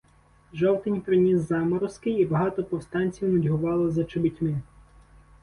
Жовтень приніс заморозки, і багато повстанців нудьгувало за чобітьми.